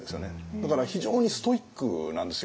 だから非常にストイックなんですよ